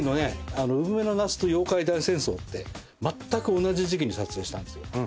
『姑獲鳥の夏』と『妖怪大戦争』ってまったく同じ時期に撮影したんですよ。